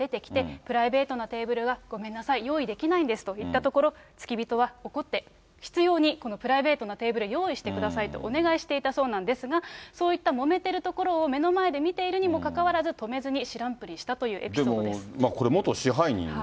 するとアッゾリーナさん、支配人が出てきて、プライベートなテーブルはごめんなさい、用意できないんですと断ったところ、付き人は怒って、執ようにこのプライベートなテーブルを用意してくださいと、お願いしたそうなんですが、そういったもめてるところを目の前で見ているにもかかわらず、止めずに知らんぷりしたというエピソードです。